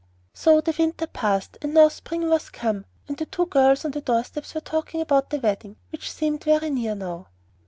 So the winter passed, and now spring was come; and the two girls on the doorsteps were talking about the wedding, which seemed very near now.